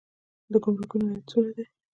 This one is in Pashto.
د ګمرکونو عاید څومره دی؟